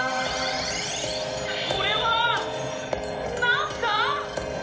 これは何だ？